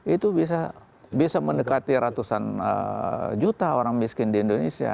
itu bisa mendekati ratusan juta orang miskin di indonesia